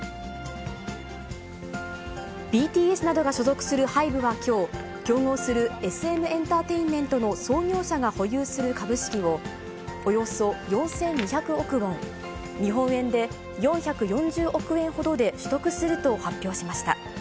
ＢＴＳなどが所属するハイブはきょう、競合するＳＭエンタテインメントの創業者が保有する株式を、およそ４２００億ウォン、日本円で４４０億円ほどで取得すると発表しました。